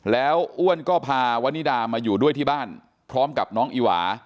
แล้วอ้วนก็พาวนิดามาอยู่ด้วยที่บ้านพร้อมกับน้องอีหวา